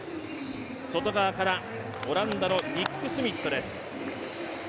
外側からオランダのニック・スミットです。